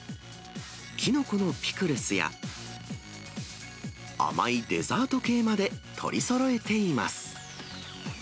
キノコのピクルスや、甘いデザート系まで取りそろえています。